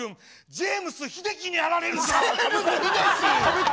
ジェームス英樹であられるぞ！